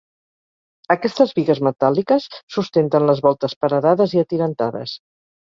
Aquestes bigues metàl·liques sustenten les voltes paredades i atirantades.